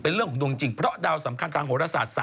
เป็นเรื่องของดวงจริงเพราะดาวสำคัญทางโหรศาสตร์